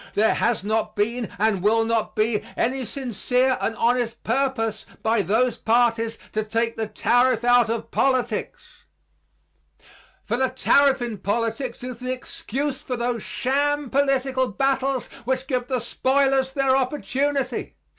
There has not been and will not be any sincere and honest purpose by those parties to take the tariff out of politics. For the tariff in politics is the excuse for those sham political battles which give the spoilers their opportunity.